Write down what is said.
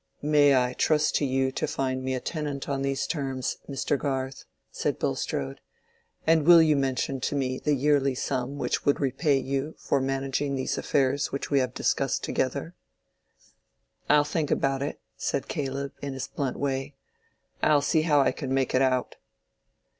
"May I trust to you to find me a tenant on these terms, Mr. Garth?" said Bulstrode. "And will you mention to me the yearly sum which would repay you for managing these affairs which we have discussed together?" "I'll think about it," said Caleb, in his blunt way. "I'll see how I can make it out."